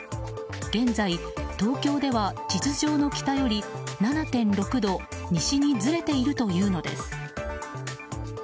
現在、東京では地図上の北より７．６度西にずれているというのです。